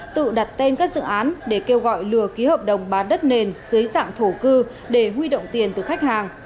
tự đặt tên các dự án để kêu gọi lừa ký hợp đồng bán đất nền dưới dạng thổ cư để huy động tiền từ khách hàng